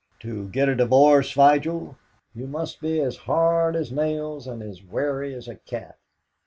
To get a divorce, Vigil, you must be as hard as nails and as wary as a cat.